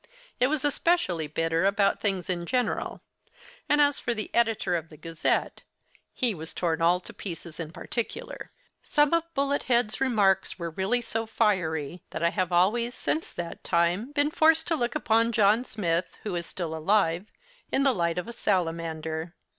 It was especially bitter about things in general—and as for the editor of 'The Gazette,' he was torn all to pieces in particular. Some of Bullet head's remarks were really so fiery that I have always, since that time, been forced to look upon John Smith, who is still alive, in the light of a salamander.